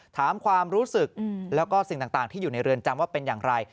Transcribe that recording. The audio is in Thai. ถามความรู้สึกแล้วก็สิ่งต่างที่อยู่ในเรือนจำว่าเป็นอย่างไร